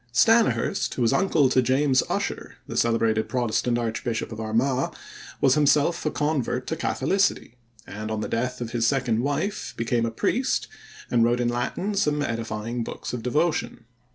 Stanyhurst, who was uncle to James Ussher, the celebrated Protestant archbishop of Armagh, was himself a convert to Catholicity, and on the death of his second wife became a priest and wrote in Latin some edifying books of devotion.